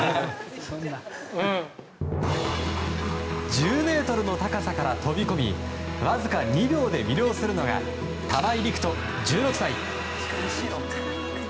１０ｍの高さから飛び込みわずか２秒で魅了するのが玉井陸斗、１６歳。